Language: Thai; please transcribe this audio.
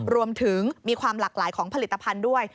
มีความหลากหลายของผลิตภัณฑ์ด้วย